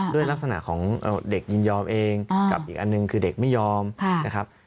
ด้วยลักษณะของเด็กยินยอมเองกับอีกอันหนึ่งคือเด็กไม่ยอมนะครับ